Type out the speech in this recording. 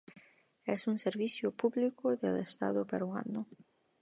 Es un servicio público del Estado Peruano.